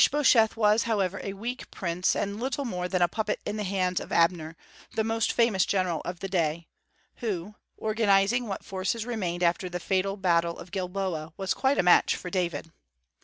] Ishbosheth was, however, a weak prince, and little more than a puppet in the hands of Abner, the most famous general of the day, who, organizing what forces remained after the fatal battle of Gilboa, was quite a match for David.